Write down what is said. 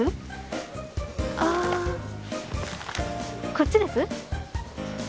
こっちです？